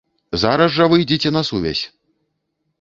Зараз жа выйдзіце на сувязь!